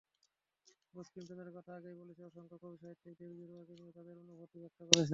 বঙ্কিমচন্দ্রের কথা আগেই বলেছি, অসংখ্য কবি-সাহিত্যিক দেবী দুর্গাকে নিয়ে তাঁদের অনুভূতি ব্যক্ত করেছেন।